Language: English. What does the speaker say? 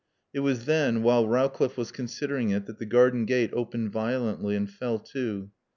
It was then, while Rowcliffe was considering it, that the garden gate opened violently and fell to.